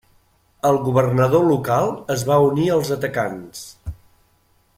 El governador local es va unir als atacants.